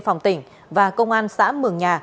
phòng tỉnh và công an xã mường nhà